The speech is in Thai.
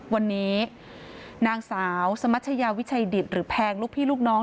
วันนี้นางสาวสมัชยาวิชัยดิตหรือแพงลูกพี่ลูกน้อง